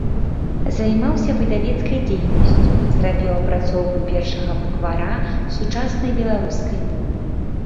Займаўся выдавецкай дзейнасцю, зрабіў апрацоўку першага буквара сучаснай беларускай мовы.